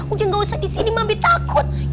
udah gak usah disini mami takut